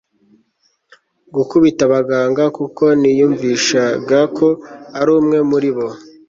gukubita abaganga kuko niyumvishaga ko ari umwe muri bo